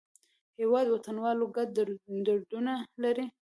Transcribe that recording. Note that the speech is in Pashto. هېواد د وطنوالو ګډ دردونه لري.